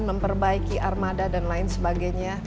memperbaiki armada dan lain sebagainya